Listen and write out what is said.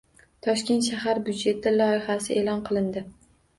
Toshkent shahar byudjeti loyihasi e'lon qilindi